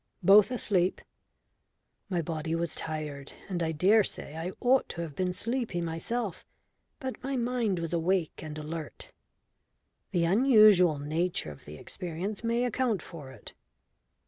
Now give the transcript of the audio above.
Both asleep." My body was tired, and I dare say I ought to have been sleepy myself, but my mind was awake and alert. The unusual nature of the experience may account for it.